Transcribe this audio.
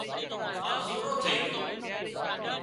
هانَ زُونو ٿئي جھو